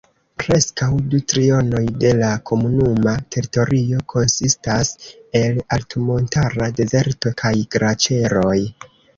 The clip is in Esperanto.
Preskaŭ du trionoj de la komunuma teritorio konsistas el altmontara dezerto kaj glaĉeroj.